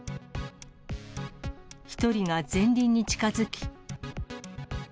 １人が前輪に近づき。